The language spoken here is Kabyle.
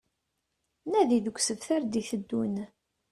Nadi deg usebter d-iteddun